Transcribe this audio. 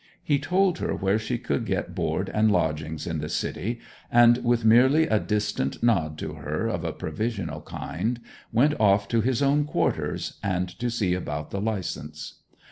He told her where she could get board and lodgings in the city; and with merely a distant nod to her of a provisional kind, went off to his own quarters, and to see about the licence.